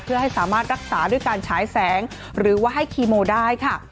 เพื่อให้สามารถรักษาด้วยการฉายแสงหรือว่าให้คีโมได้ค่ะ